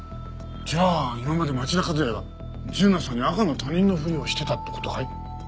じゃあ今まで町田和也は純奈さんに赤の他人のふりをしてたって事かい？